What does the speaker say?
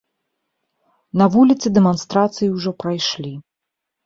На вуліцы дэманстрацыі ўжо прайшлі.